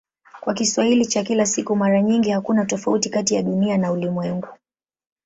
Kwa Kiswahili cha kila siku mara nyingi hakuna tofauti kati ya "Dunia" na "ulimwengu".